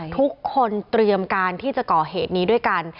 ทุกคนเตรียมการที่จะก่อเหตุนี้ด้วยกัน